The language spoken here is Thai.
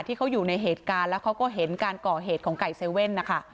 ที่เขาอยู่ในเหตุการณ์แล้วเขาก็เห็นการก่อเหตุของไก่เซเว่นนะคะ